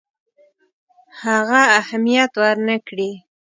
هغه اهمیت ورنه کړي.